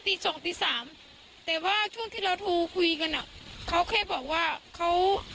อยู่ข้างบนแม่น้องนี่คือคือ่ะนายชาวบ้านคนนี้ก็ผู้อัลปุ่น